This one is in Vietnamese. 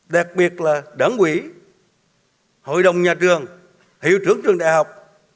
đặc biệt là đảng quỹ hội đồng nhà trường hiệu trưởng trường đại học